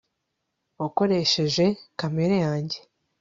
wakoresheje kamera yanjye